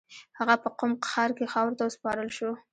هغه په قم ښار کې خاورو ته وسپارل شو.